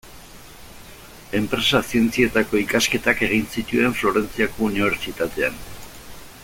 Enpresa-zientzietako ikasketak egin zituen Florentziako Unibertsitatean.